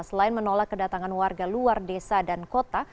selain menolak kedatangan warga luar desa dan kota